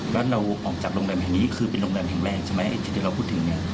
แล้วเราออกจากโรงแรมแห่งนี้คือเป็นโรงแรมแห่งแรกใช่ไหมไอ้ที่ที่เราพูดถึงเนี่ย